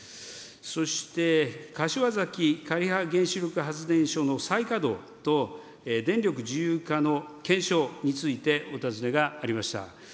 そして柏崎刈羽原子力発電所の再稼働と、電力自由化の検証についてお尋ねがありました。